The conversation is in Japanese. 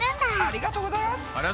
ありがとうございます！